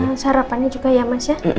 dengan sarapannya juga ya mas ya